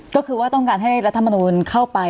ทางการให้รรธรรมนุมเข้าไป